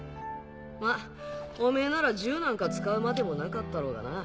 まぁおめぇなら銃なんか使うまでもなかったろうがな。